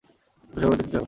তুষারকণা দেখতে চাও?